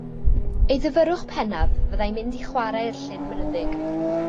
Ei ddifyrrwch pennaf fyddai mynd i chware i'r llyn mynyddig.